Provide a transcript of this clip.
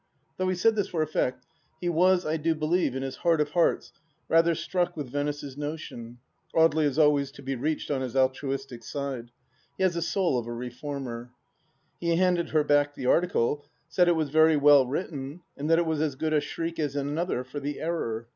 Though he said this for effect, he was, I do believe, in his heart of hearts, rather struck with Venice's notion. ... Audely is always to be reached on his altruistic side. He has the soul of a reformer. ... He handed her back the article, said it was very well written, and that it was as good a shriek as another for the Error.